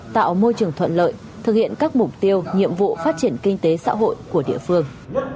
tạo môi trường thuận lợi thực hiện các mục tiêu nhiệm vụ phát triển kinh tế xã hội của địa phương